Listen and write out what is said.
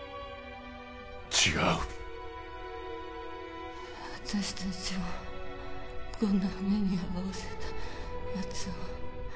違う私たちをこんな目に遭わせたやつを